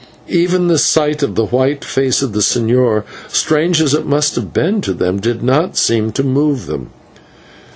Even the sight of the white face of the señor, strange as it must have been to them, did not seem to move them.